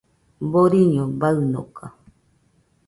Boriño baɨnoka